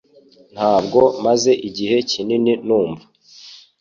Ntabwo maze igihe kinini numva